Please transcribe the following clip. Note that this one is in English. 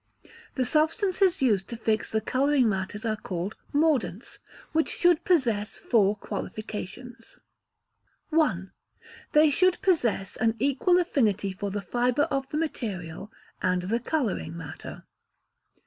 The substances used to fix the colouring matters are called mordants, which should possess four qualifications: i. They should possess an equal affinity for the fibre of the material and the colouring matter.